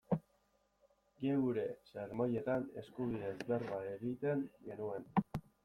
Geure sermoietan eskubideez berba egiten genuen.